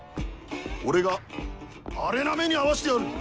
俺がアレな目に遭わしてやる！